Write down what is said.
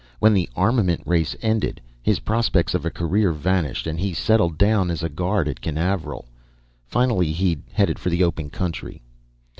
When the armament race ended, his prospects of a career vanished, and he settled down as a guard at Canaveral. Finally, he'd headed for the open country.